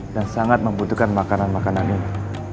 dan sangat membutuhkan makanan makanan ini